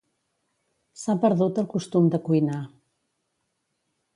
S'ha perdut el costum de cuinar.